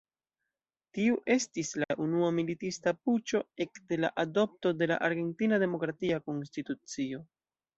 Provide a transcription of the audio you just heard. Tiu estis la unua militista puĉo ekde la adopto de la argentina demokratia konstitucio.